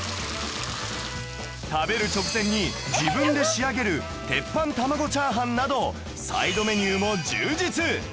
食べる直前に自分で仕上げる鉄板玉子チャーハンなどサイドメニューも充実！